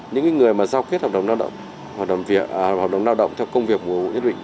những người mà giao kết hợp đồng lao động theo công việc mùa vụ nhất định